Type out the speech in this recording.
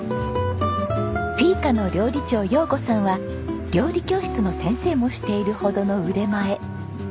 フィーカの料理長洋子さんは料理教室の先生もしているほどの腕前。